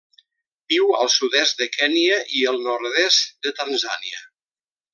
Viu al sud-est de Kenya i el nord-est de Tanzània.